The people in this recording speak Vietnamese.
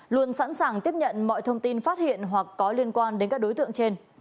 luôn sẵn sàng tiếp nhận mọi thông tin phát hiện hoặc có liên quan đến các đối tượng trên